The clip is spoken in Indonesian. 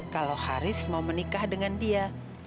kalau haris mau menikah dengan dia